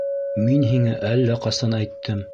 — Мин һиңә әллә ҡасан әйттем.